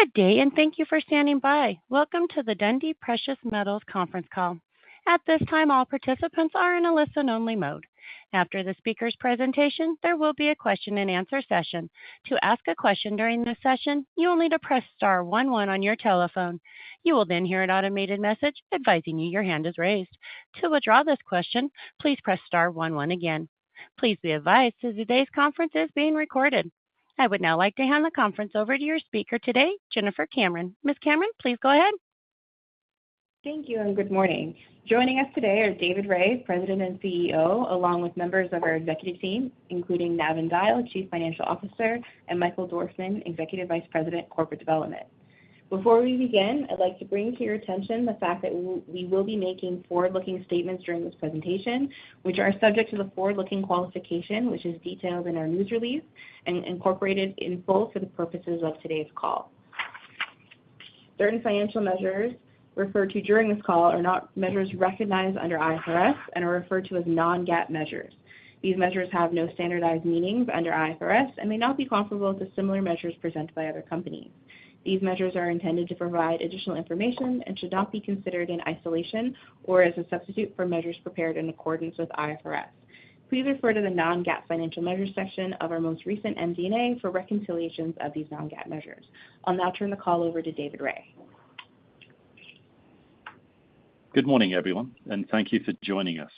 Good day, and thank you for standing by. Welcome to the Dundee Precious Metals conference call. At this time, all participants are in a listen-only mode. After the speaker's presentation, there will be a question-and-answer session. To ask a question during this session, you will need to press star one one on your telephone. You will then hear an automated message advising you your hand is raised. To withdraw this question, please press star one one again. Please be advised that today's conference is being recorded. I would now like to hand the conference over to your speaker today, Jennifer Cameron. Ms. Cameron, please go ahead. Thank you, and good morning. Joining us today are David Rae, President and CEO, along with members of our executive team, including Navin Dyal, Chief Financial Officer, and Michael Dorfman, Executive Vice President, Corporate Development. Before we begin, I'd like to bring to your attention the fact that we will be making forward-looking statements during this presentation, which are subject to the forward-looking qualification, which is detailed in our news release and incorporated in full for the purposes of today's call. Certain financial measures referred to during this call are not measures recognized under IFRS and are referred to as non-GAAP measures. These measures have no standardized meanings under IFRS and may not be comparable to similar measures presented by other companies. These measures are intended to provide additional information and should not be considered in isolation or as a substitute for measures prepared in accordance with IFRS. Please refer to the non-GAAP financial measures section of our most recent MD&A for reconciliations of these non-GAAP measures. I'll now turn the call over to David Rae. Good morning, everyone, and thank you for joining us.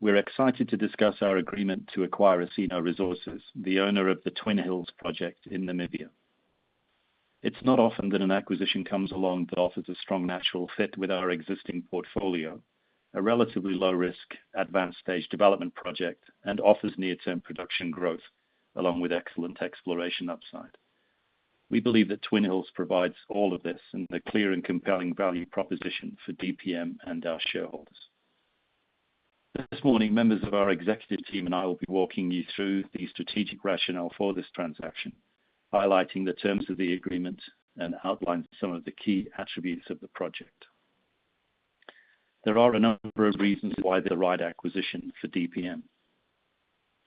We're excited to discuss our agreement to acquire Osino Resources, the owner of the Twin Hills project in Namibia. It's not often that an acquisition comes along that offers a strong natural fit with our existing portfolio, a relatively low-risk, advanced stage development project, and offers near-term production growth, along with excellent exploration upside. We believe that Twin Hills provides all of this in a clear and compelling value proposition for DPM and our shareholders. This morning, members of our executive team and I will be walking you through the strategic rationale for this transaction, highlighting the terms of the agreement, and outline some of the key attributes of the project. There are a number of reasons why they're the right acquisition for DPM.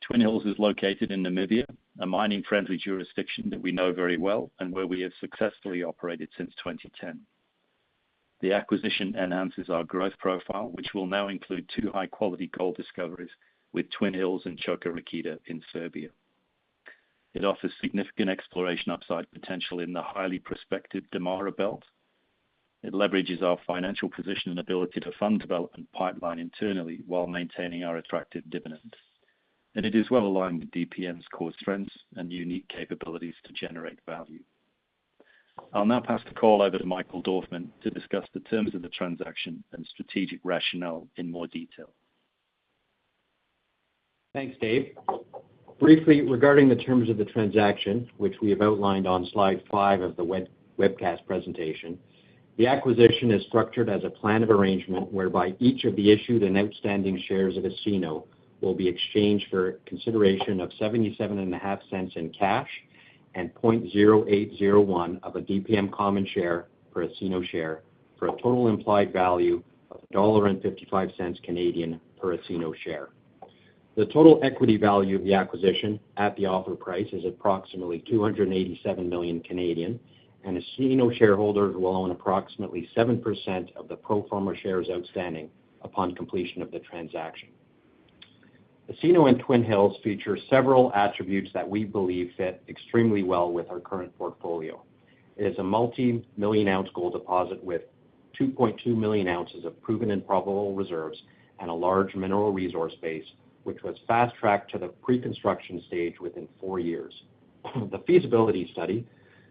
Twin Hills is located in Namibia, a mining-friendly jurisdiction that we know very well and where we have successfully operated since 2010. The acquisition enhances our growth profile, which will now include two high-quality gold discoveries with Twin Hills and Čoka Rakita in Serbia. It offers significant exploration upside potential in the highly prospective Damara Belt. It leverages our financial position and ability to fund development pipeline internally while maintaining our attractive dividends. It is well aligned with DPM's core strengths and unique capabilities to generate value. I'll now pass the call over to Michael Dorfman to discuss the terms of the transaction and strategic rationale in more detail. Thanks, Dave. Briefly, regarding the terms of the transaction, which we have outlined on slide 5 of the webcast presentation, the acquisition is structured as a plan of arrangement whereby each of the issued and outstanding shares of Osino will be exchanged for consideration of 0.775 in cash and 0.0801 of a DPM common share per Osino share, for a total implied value of 1.55 Canadian dollars per Osino share. The total equity value of the acquisition at the offer price is approximately 287 million, and Osino shareholders will own approximately 7% of the pro forma shares outstanding upon completion of the transaction. Osino and Twin Hills feature several attributes that we believe fit extremely well with our current portfolio. It is a multimillion-ounce gold deposit with 2.2 million ounces of proven and probable reserves and a large mineral resource base, which was fast-tracked to the preconstruction stage within four years. The feasibility study,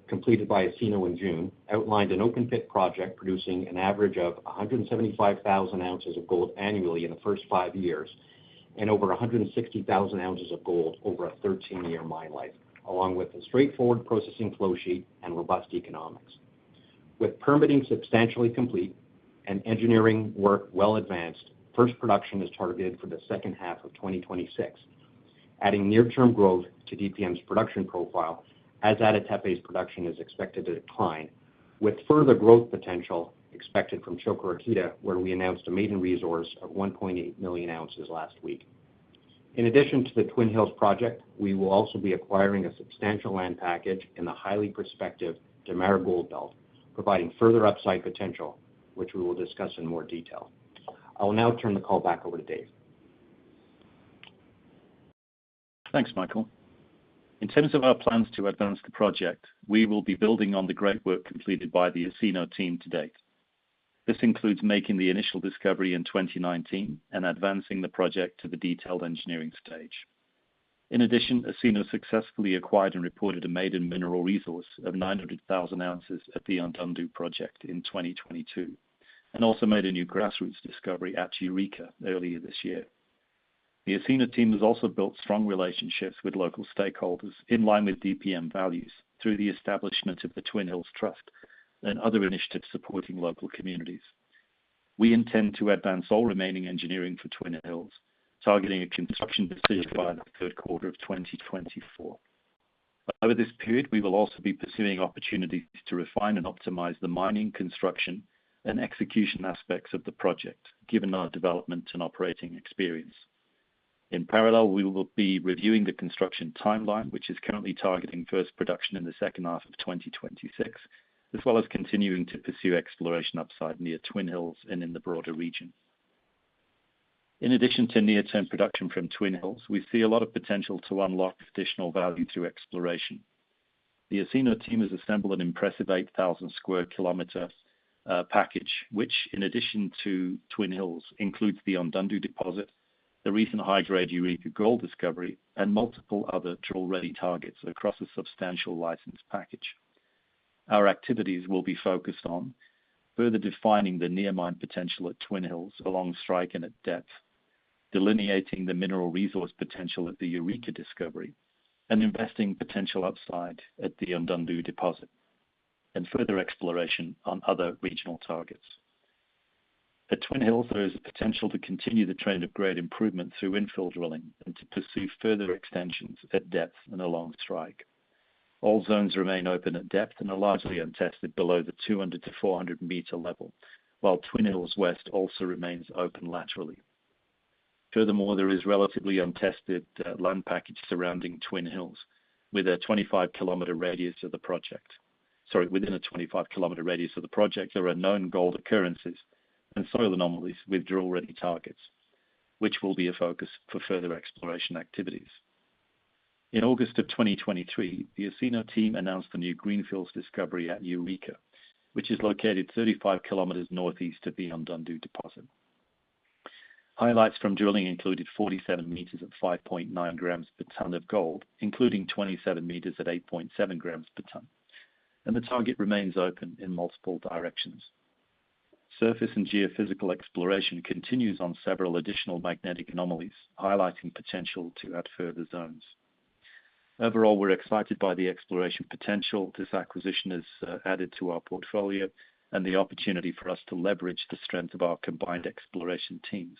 completed by Osino in June, outlined an open-pit project producing an average of 175,000 ounces of gold annually in the first five years and over 160,000 ounces of gold over a 13-year mine life, along with a straightforward processing flow sheet and robust economics. With permitting substantially complete and engineering work well advanced, first production is targeted for the second half of 2026, adding near-term growth to DPM's production profile, as Ada Tepe's production is expected to decline, with further growth potential expected from Čoka Rakita, where we announced a maiden resource of 1.8 million ounces last week. In addition to the Twin Hills project, we will also be acquiring a substantial land package in the highly prospective Damara Gold Belt, providing further upside potential, which we will discuss in more detail. I will now turn the call back over to Dave. Thanks, Michael. In terms of our plans to advance the project, we will be building on the great work completed by the Osino team to date. This includes making the initial discovery in 2019 and advancing the project to the detailed engineering stage. In addition, Osino successfully acquired and reported a maiden mineral resource of 900,000 ounces at the Ondundu project in 2022, and also made a new grassroots discovery at Eureka earlier this year. The Osino team has also built strong relationships with local stakeholders in line with DPM values through the establishment of the Twin Hills Trust and other initiatives supporting local communities. We intend to advance all remaining engineering for Twin Hills, targeting a construction decision by the third quarter of 2024. Over this period, we will also be pursuing opportunities to refine and optimize the mining, construction, and execution aspects of the project, given our development and operating experience... In parallel, we will be reviewing the construction timeline, which is currently targeting first production in the second half of 2026, as well as continuing to pursue exploration upside near Twin Hills and in the broader region. In addition to near-term production from Twin Hills, we see a lot of potential to unlock additional value through exploration. The Osino team has assembled an impressive 8,000 square km package, which, in addition to Twin Hills, includes the Ondundu deposit, the recent high-grade Eureka gold discovery, and multiple other drill-ready targets across a substantial license package. Our activities will be focused on further defining the near mine potential at Twin Hills along strike and at depth, delineating the mineral resource potential at the Eureka discovery, and investing potential upside at the Ondundu deposit, and further exploration on other regional targets. At Twin Hills, there is a potential to continue the trend of great improvement through infill drilling and to pursue further extensions at depth and along strike. All zones remain open at depth and are largely untested below the 200-400 m level, while Twin Hills West also remains open laterally. Furthermore, there is relatively untested land package surrounding Twin Hills with a 25 km radius of the project. Sorry, within a 25 km radius of the project, there are known gold occurrences and soil anomalies with drill-ready targets, which will be a focus for further exploration activities. In August of 2023, the Osino team announced the new Greenfields discovery at Eureka, which is located 35 km northeast of the Ondundu deposit. Highlights from drilling included 47 m at 5.9 g per ton of gold, including 27 m at 8.7 g per ton, and the target remains open in multiple directions. Surface and geophysical exploration continues on several additional magnetic anomalies, highlighting potential to add further zones. Overall, we're excited by the exploration potential this acquisition has added to our portfolio and the opportunity for us to leverage the strength of our combined exploration teams.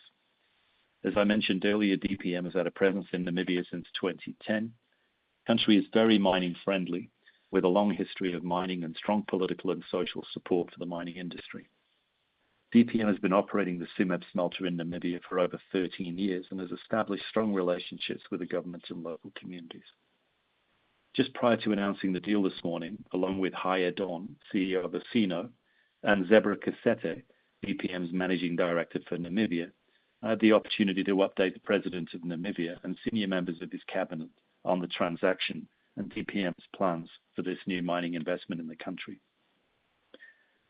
As I mentioned earlier, DPM has had a presence in Namibia since 2010. The country is very mining-friendly, with a long history of mining and strong political and social support for the mining industry. DPM has been operating the Tsumeb smelter in Namibia for over 13 years and has established strong relationships with the governments and local communities. Just prior to announcing the deal this morning, along with Heye Daun, CEO of Osino, and Zebra Kasete, DPM's Managing Director for Namibia, I had the opportunity to update the President of Namibia and senior members of his cabinet on the transaction and DPM's plans for this new mining investment in the country.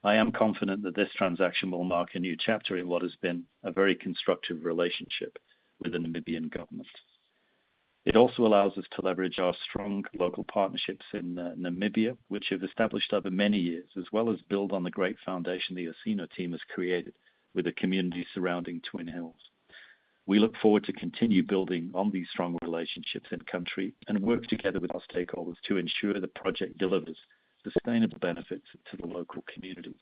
I am confident that this transaction will mark a new chapter in what has been a very constructive relationship with the Namibian government. It also allows us to leverage our strong local partnerships in Namibia, which have established over many years, as well as build on the great foundation the Osino team has created with the community surrounding Twin Hills. We look forward to continue building on these strong relationships in country and work together with our stakeholders to ensure the project delivers sustainable benefits to the local communities.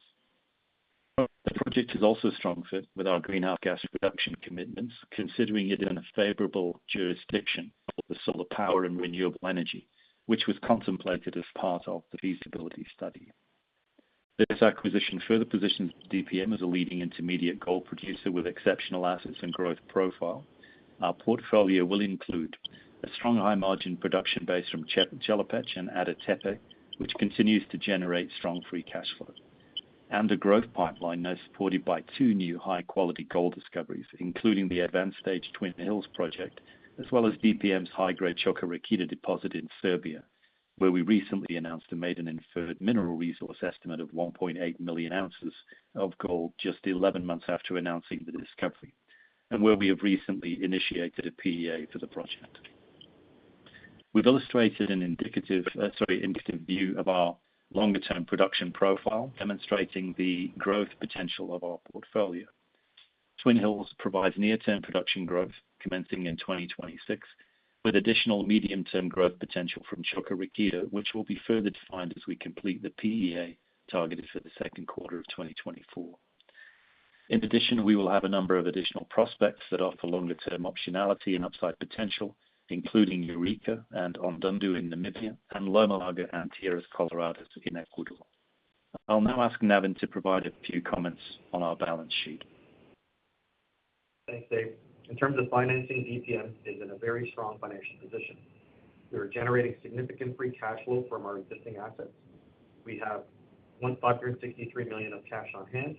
The project is also a strong fit with our greenhouse gas reduction commitments, considering it in a favorable jurisdiction of the solar power and renewable energy, which was contemplated as part of the feasibility study. This acquisition further positions DPM as a leading intermediate gold producer with exceptional assets and growth profile. Our portfolio will include a strong, high-margin production base from Chelopech and Ada Tepe, which continues to generate strong free cash flow. A growth pipeline now supported by two new high-quality gold discoveries, including the advanced stage Twin Hills project, as well as DPM's high-grade Čoka Rakita deposit in Serbia, where we recently announced and made an inferred mineral resource estimate of 1.8 million ounces of gold just 11 months after announcing the discovery, and where we have recently initiated a PEA for the project. We've illustrated an indicative view of our longer-term production profile, demonstrating the growth potential of our portfolio. Twin Hills provides near-term production growth commencing in 2026, with additional medium-term growth potential from Čoka Rakita, which will be further defined as we complete the PEA targeted for the second quarter of 2024. In addition, we will have a number of additional prospects that offer longer-term optionality and upside potential, including Eureka and Ondundu in Namibia and Loma Larga and Tierras Coloradas in Ecuador. I'll now ask Navin to provide a few comments on our balance sheet. Thanks, Dave. In terms of financing, DPM is in a very strong financial position. We are generating significant free cash flow from our existing assets. We have 163 million of cash on hand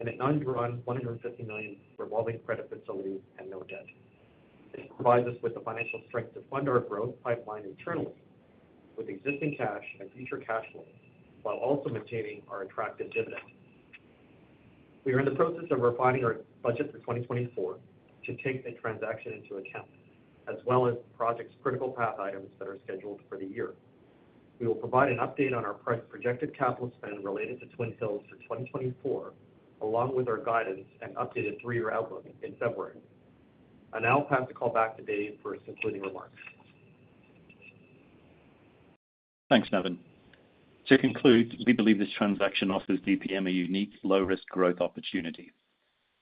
and an undrawn 150 million revolving credit facility and no debt. This provides us with the financial strength to fund our growth pipeline internally with existing cash and future cash flows, while also maintaining our attractive dividend. We are in the process of refining our budget for 2024 to take the transaction into account, as well as projects' critical path items that are scheduled for the year. We will provide an update on our projected capital spend related to Twin Hills for 2024, along with our guidance and updated three-year outlook in February. I now pass the call back to Dave for his concluding remarks. Thanks, Navin. To conclude, we believe this transaction offers DPM a unique low-risk growth opportunity.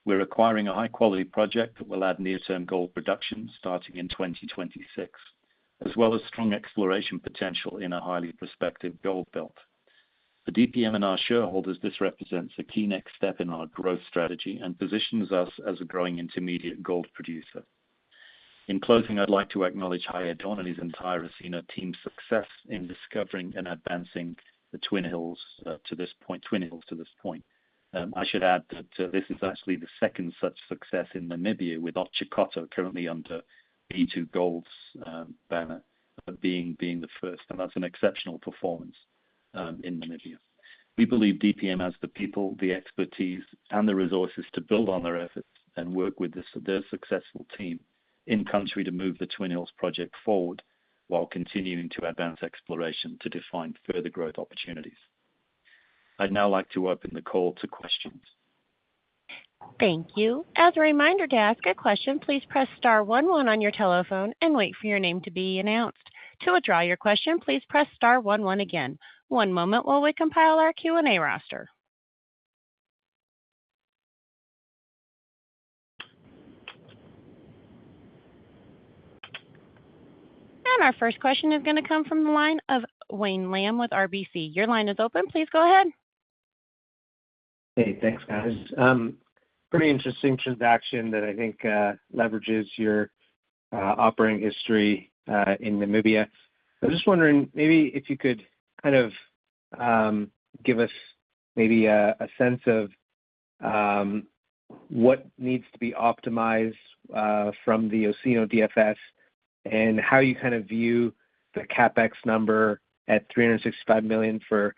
We're acquiring a high-quality project that will add near-term gold production starting in 2026, as well as strong exploration potential in a highly prospective gold belt.... For DPM and our shareholders, this represents a key next step in our growth strategy and positions us as a growing intermediate gold producer. In closing, I'd like to acknowledge Heye Daun's entire team's success in discovering and advancing the Twin Hills to this point. I should add that this is actually the second such success in Namibia, with Otjikoto currently under B2Gold's banner, being the first, and that's an exceptional performance in Namibia. We believe DPM has the people, the expertise, and the resources to build on their efforts and work with their successful team in country to move the Twin Hills project forward, while continuing to advance exploration to define further growth opportunities. I'd now like to open the call to questions. Thank you. As a reminder, to ask a question, please press star one one on your telephone and wait for your name to be announced. To withdraw your question, please press star one one again. One moment while we compile our Q&A roster. Our first question is gonna come from the line of Wayne Lam with RBC. Your line is open. Please go ahead. Hey, thanks, guys. Pretty interesting transaction that I think leverages your operating history in Namibia. I'm just wondering, maybe if you could kind of give us maybe a sense of what needs to be optimized from the Osino DFS, and how you kind of view the CapEx number at $365 million for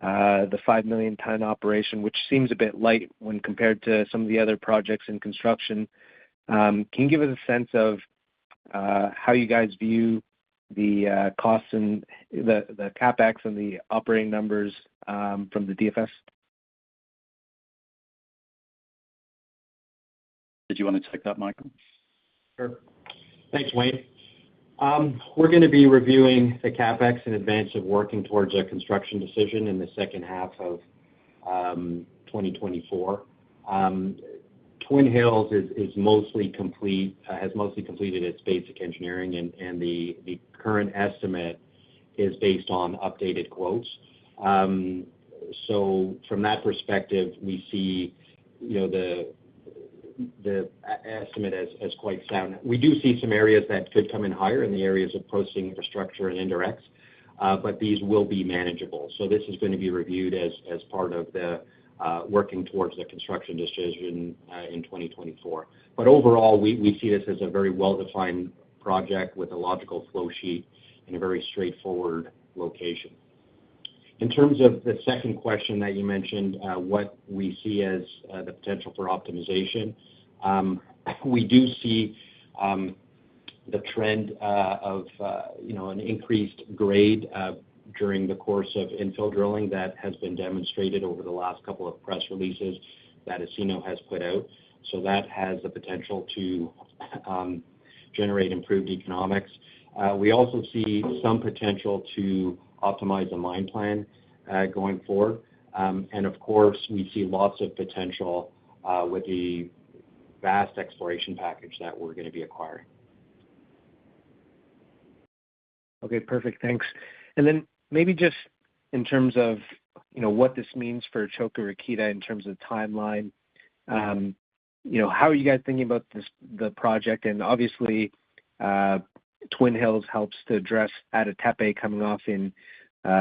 the 5 million ton operation, which seems a bit light when compared to some of the other projects in construction. Can you give us a sense of how you guys view the costs and the CapEx and the operating numbers from the DFS? Did you want to take that, Michael? Sure. Thanks, Wayne. We're going to be reviewing the CapEx in advance of working towards a construction decision in the second half of 2024. Twin Hills is mostly complete, has mostly completed its basic engineering, and the current estimate is based on updated quotes. So from that perspective, we see, you know, the estimate as quite sound. We do see some areas that could come in higher in the areas of processing, infrastructure, and indirects, but these will be manageable. So this is going to be reviewed as part of the working towards the construction decision in 2024. But overall, we see this as a very well-defined project with a logical flow sheet in a very straightforward location. In terms of the second question that you mentioned, what we see as the potential for optimization, we do see the trend of, you know, an increased grade during the course of infill drilling that has been demonstrated over the last couple of press releases that Osino has put out. So that has the potential to generate improved economics. We also see some potential to optimize the mine plan going forward. And of course, we see lots of potential with the vast exploration package that we're going to be acquiring. Okay, perfect. Thanks. And then maybe just in terms of, you know, what this means for Čoka Rakita in terms of timeline, you know, how are you guys thinking about this, the project? And obviously, Twin Hills helps to address Ada Tepe coming off in,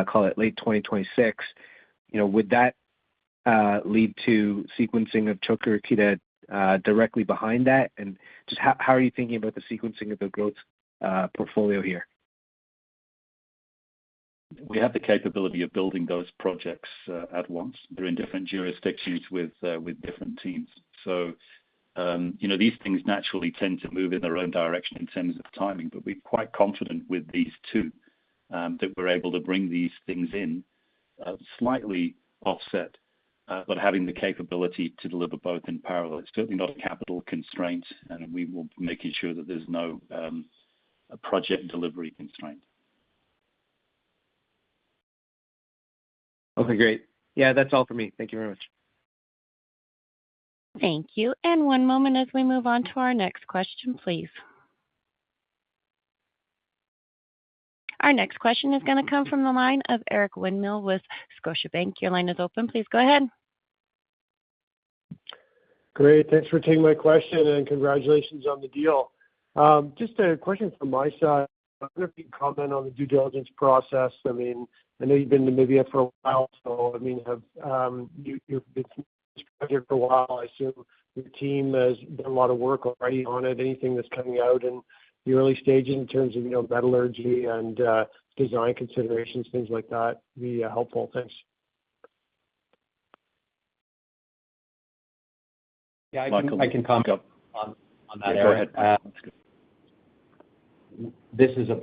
call it late 2026. You know, would that lead to sequencing of Čoka Rakita directly behind that? And just how, how are you thinking about the sequencing of the growth portfolio here? We have the capability of building those projects at once. They're in different jurisdictions with different teams. So, you know, these things naturally tend to move in their own direction in terms of timing, but we're quite confident with these two that we're able to bring these things in slightly offset but having the capability to deliver both in parallel. It's certainly not capital constraint, and we will be making sure that there's no project delivery constraint. Okay, great. Yeah, that's all for me. Thank you very much. Thank you. One moment as we move on to our next question, please. Our next question is going to come from the line of Eric Winmill with Scotiabank. Your line is open. Please go ahead. Great. Thanks for taking my question, and congratulations on the deal. Just a question from my side. I wonder if you can comment on the due diligence process. I mean, I know you've been in Namibia for a while, so, I mean, you've been here for a while. I assume your team has done a lot of work already on it. Anything that's coming out in the early stages in terms of, you know, metallurgy and design considerations, things like that be helpful. Thanks. Yeah, I can comment on that area. Go ahead. This is a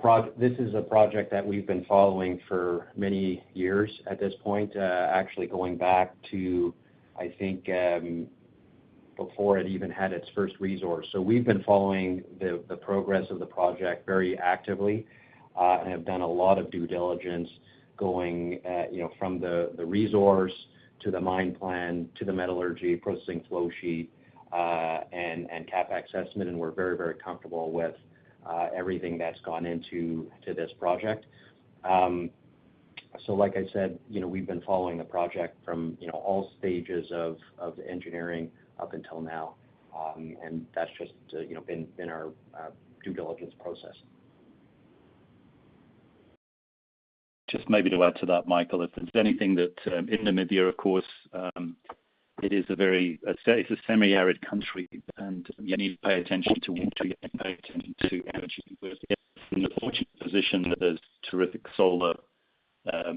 project that we've been following for many years at this point, actually going back to, I think, before it even had its first resource. So we've been following the progress of the project very actively, and have done a lot of due diligence going, you know, from the resource to the mine plan, to the metallurgy processing flow sheet, and CapEx estimate, and we're very, very comfortable with everything that's gone into this project. So like I said, you know, we've been following the project from, you know, all stages of engineering up until now. And that's just, you know, been our due diligence process. Just maybe to add to that, Michael, if there's anything that, in Namibia, of course, it is a very, say, it's a semi-arid country, and you need to pay attention to water, you pay attention to energy. Whereas in the fortunate position, there's terrific solar, opportunity. But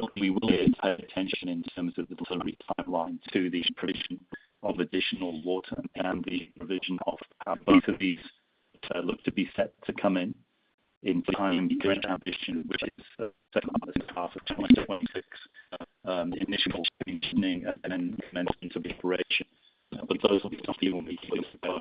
what we will is pay attention in terms of the delivery timeline to the addition of additional water and the provision of both of these, look to be set to come in, in timing the ambition, which is the second half of 2026. Initial commissioning and then commencement of operation. But those will be something we'll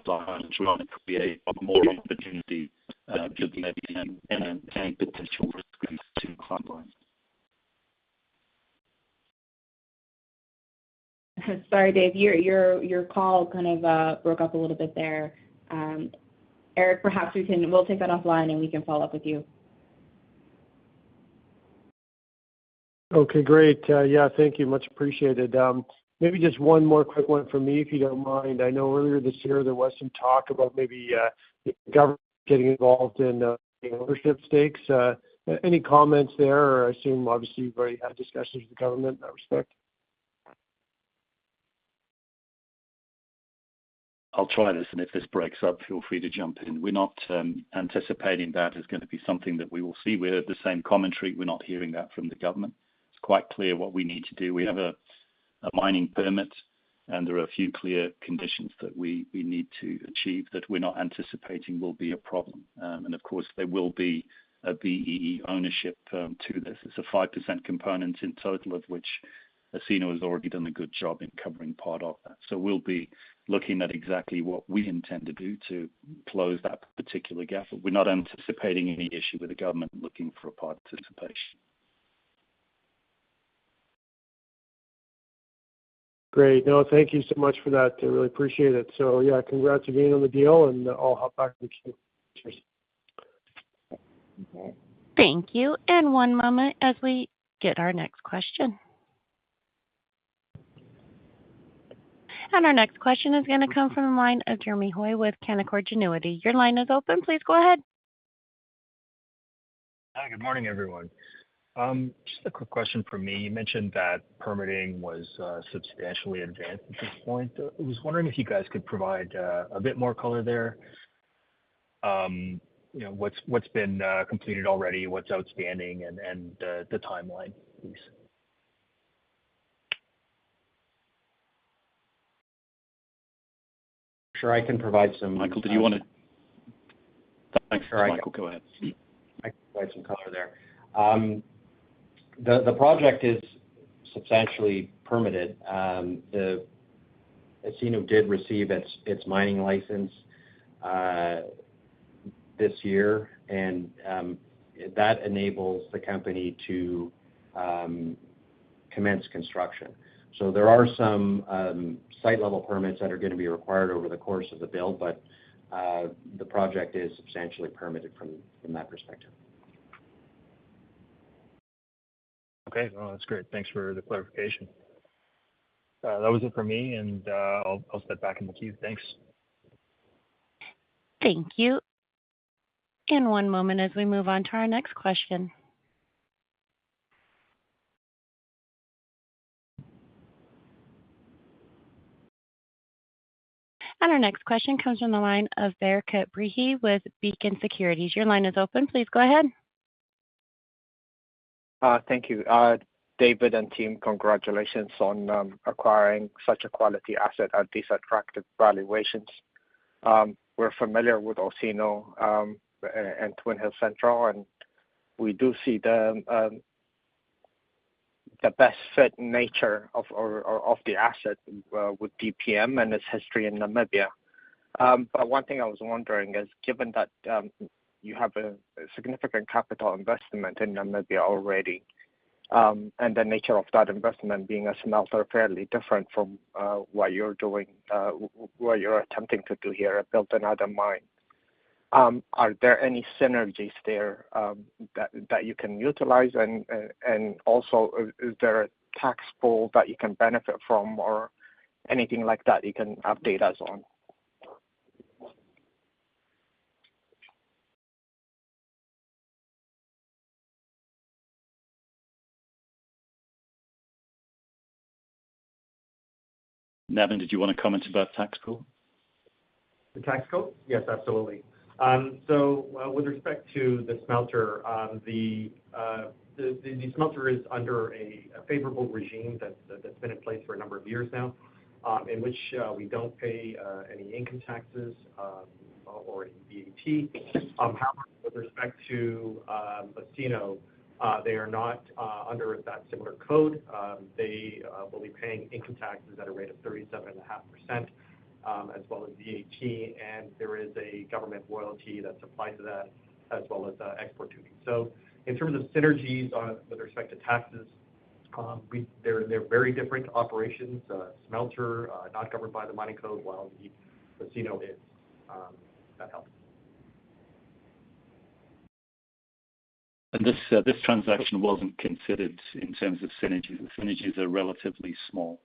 need to be a more opportunity, because maybe any potential risk to timelines. Sorry, Dave, your call kind of broke up a little bit there. Eric, perhaps we can, we'll take that offline, and we can follow up with you. Okay, great. Yeah, thank you. Much appreciated. Maybe just one more quick one from me, if you don't mind. I know earlier this year, there was some talk about maybe the government getting involved in the ownership stakes. Any comments there? I assume obviously you've already had discussions with the government in that respect. I'll try this, and if this breaks up, feel free to jump in. We're not anticipating that is gonna be something that we will see. We're the same commentary. We're not hearing that from the government. It's quite clear what we need to do. We have a mining permit, and there are a few clear conditions that we need to achieve that we're not anticipating will be a problem. And of course, there will be a BEE ownership to this. It's a 5% component in total, of which Osino has already done a good job in covering part of that. So we'll be looking at exactly what we intend to do to close that particular gap. We're not anticipating any issue with the government looking for a participation. Great. No, thank you so much for that. I really appreciate it. So, yeah, congrats on getting on the deal, and I'll hop back to you. Cheers. Okay. Thank you, and one moment as we get our next question. Our next question is gonna come from the line of Jeremy Hoy with Canaccord Genuity. Your line is open. Please go ahead. Hi, good morning, everyone. Just a quick question for me. You mentioned that permitting was substantially advanced at this point. I was wondering if you guys could provide a bit more color there. You know, what's been completed already, what's outstanding, and the timeline, please. Sure, I can provide some- Michael, did you want to? Thanks, Michael, go ahead. I can provide some color there. The project is substantially permitted. Osino did receive its mining license this year, and that enables the company to commence construction. So there are some site-level permits that are gonna be required over the course of the build, but the project is substantially permitted from that perspective. Okay, well, that's great. Thanks for the clarification. That was it for me, and I'll step back in the queue. Thanks. Thank you. One moment as we move on to our next question. Our next question comes from the line of Bereket Berhe with Beacon Securities. Your line is open. Please go ahead. Thank you. David and team, congratulations on acquiring such a quality asset at these attractive valuations. We're familiar with Osino, and Twin Hills Central, and we do see the best fit nature of the asset with DPM and its history in Namibia. But one thing I was wondering is, given that you have a significant capital investment in Namibia already, and the nature of that investment being a smelter, fairly different from what you're doing, what you're attempting to do here, build another mine. Are there any synergies there that you can utilize? And also, is there a tax pool that you can benefit from or anything like that you can update us on? Navin, did you want to comment about tax pool? The tax code? Yes, absolutely. So, with respect to the smelter, the smelter is under a favorable regime that's been in place for a number of years now, in which we don't pay any income taxes or VAT. However, with respect to Osino, they are not under that similar code. They will be paying income taxes at a rate of 37.5%, as well as VAT, and there is a government royalty that's applied to that, as well as export duty. So in terms of synergies on, with respect to taxes... Well, they're very different operations. Smelter not covered by the mining code, while the Osino is. That helps. This transaction wasn't considered in terms of synergies. The synergies are relatively small.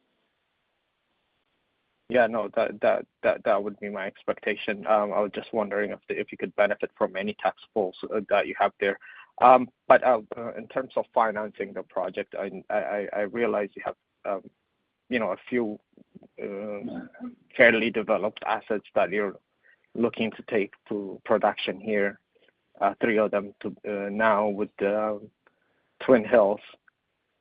Yeah, no, that would be my expectation. I was just wondering if you could benefit from any tax pools that you have there. But in terms of financing the project, I realize you have, you know, a few fairly developed assets that you're looking to take to production here, three of them now with Twin Hills.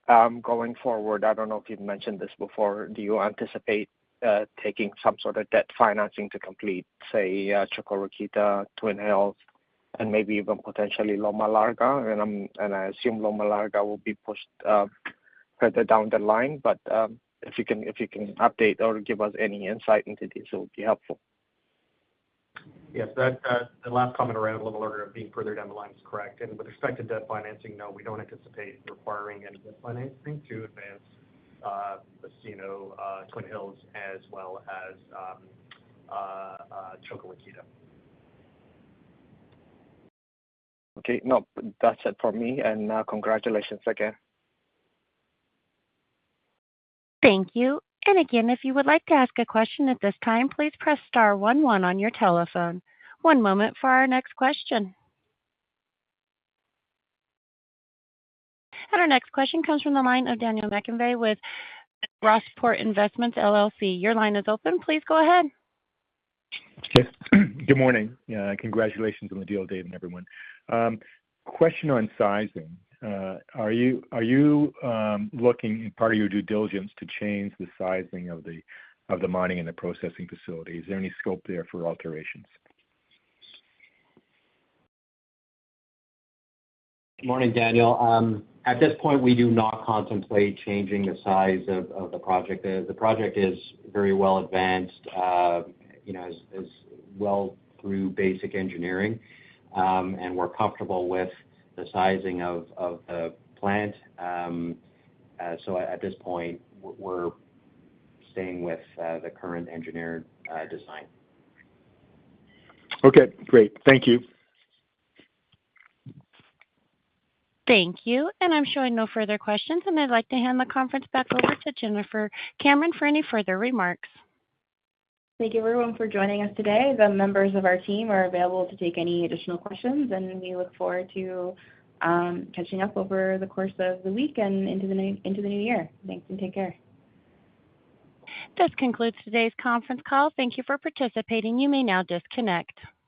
Going forward, I don't know if you've mentioned this before. Do you anticipate taking some sort of debt financing to complete, say, Čoka Rakita, Twin Hills, and maybe even potentially Loma Larga? And I assume Loma Larga will be pushed further down the line. But if you can update or give us any insight into this, it would be helpful. Yes, that, the last comment around Loma Larga being further down the line is correct. With respect to debt financing, no, we don't anticipate requiring any debt financing to advance Osino, Twin Hills, as well as Čoka Rakita. Okay. No, that's it for me, and, congratulations again. Thank you. And again, if you would like to ask a question at this time, please press star one one on your telephone. One moment for our next question. And our next question comes from the line of Daniel McConvey with Rossport Investments, LLC. Your line is open. Please go ahead. Yes. Good morning, congratulations on the deal, Dave and everyone. Question on sizing. Are you looking in part of your due diligence to change the sizing of the mining and the processing facility? Is there any scope there for alterations? Morning, Daniel. At this point, we do not contemplate changing the size of the project. The project is very well advanced, you know, as well through basic engineering. We're comfortable with the sizing of the plant. At this point, we're staying with the current engineered design. Okay, great. Thank you. Thank you. I'm showing no further questions, and I'd like to hand the conference back over to Jennifer Cameron for any further remarks. Thank you everyone for joining us today. The members of our team are available to take any additional questions, and we look forward to catching up over the course of the week and into the new year. Thanks, and take care. This concludes today's conference call. Thank you for participating. You may now disconnect.